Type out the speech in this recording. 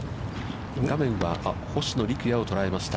画面は星野陸也を捉えました。